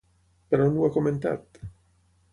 Per on ho ha comentat?